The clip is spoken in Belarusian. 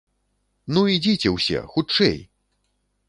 Ну, ідзіце ўсе, хутчэй!